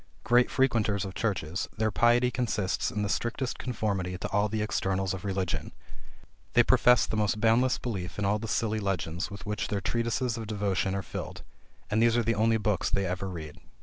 Great frequenters of churches, their piety consists in the strictest conformity to all the externals of religion. They profess the most boundless belief in all the silly legends with which their treatises of devotion are filled; and these are the only books they ever read.